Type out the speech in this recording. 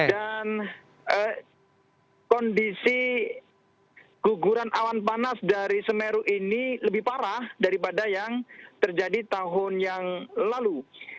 dan kondisi guguran awan panas dari semeru ini lebih parah daripada yang terjadi tahun yang lalu